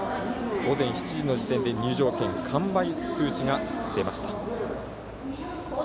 午前７時の時点で入場券完売通知が出ました。